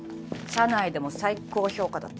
社内でも最高評価だった。